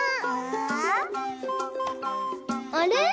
あれ？